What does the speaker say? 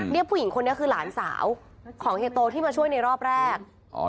นี่ผู้หญิงคนนี้คือหลานสาวของเฮียโตที่มาช่วยในรอบแรก